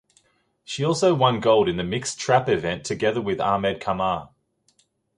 She also won gold in the mixed trap event together with Ahmed Kamar.